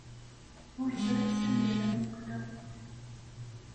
Ur ẓriɣ sanda ara mmuqqleɣ.